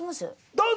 どうぞ！